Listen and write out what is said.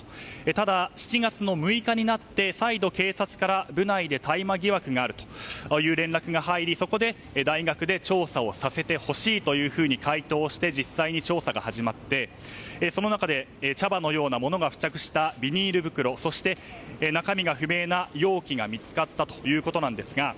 ただ、７月の６日になって再度、警察から部内で大麻疑惑があると連絡が入り、そこで大学で調査をさせてほしいと回答をして実際に調査が始まってその中で茶葉のようなものが付着したビニール袋中身が不明な容器が見つかったということなんですが。